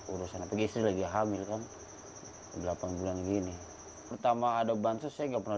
urusan apa gestu lagi hamil kan delapan bulan gini pertama ada bantuan saya nggak pernah